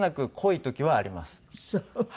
そう。